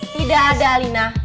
tidak ada alina